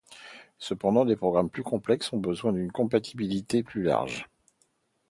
Cependant, des programmes plus complexes ont besoin d'une compatibilité plus large.